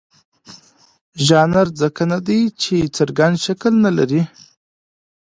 ژانر ځکه نه دی چې څرګند شکل نه لري.